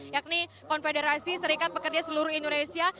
yakni konfederasi serikat pekerja seluruh indonesia